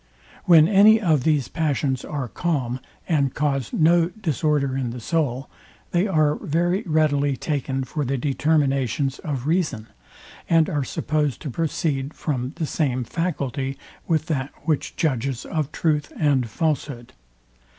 When any of these passions are calm, and cause no disorder in the soul, they are very readily taken for the determinations of reason, and are supposed to proceed from the same faculty, with that, which judges of truth and falshood.